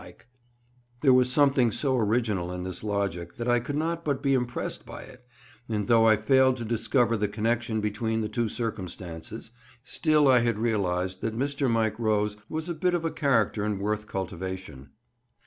There was something so original in this logic that I could not but be impressed by it, and though I failed to discover the connection between the two circumstances, still I had realized that Mr. Mike Rose was a bit of a character and worth cultivation.